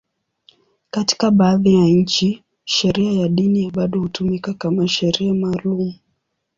Katika baadhi ya nchi, sheria ya dini bado hutumika kama sheria maalum.